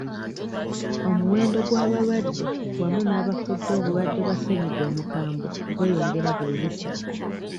Omuwendo gw'abalwadde wamu n'abafudde obulwadde bwa ssennyinga omukabwe gweyongera buli lukya.